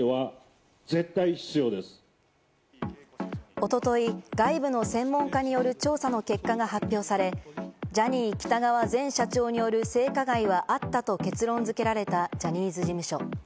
おととい、外部の専門家による調査の結果が発表され、ジャニー喜多川前社長による性加害はあったと結論付けられたジャニーズ事務所。